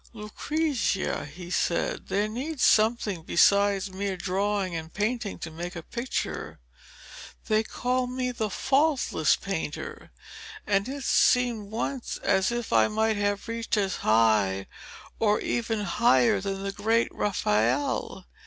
'Lucrezia,' he said, 'there needs something besides mere drawing and painting to make a picture. They call me "the faultless painter," and it seemed once as if I might have reached as high or even higher than the great Raphael.